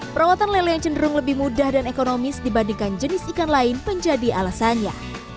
perawatan lele yang cenderung lebih mudah dan ekonomis dibandingkan jenis ikan lain menjadi alasannya